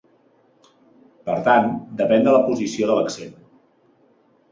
Per tant, depèn de la posició de l'accent.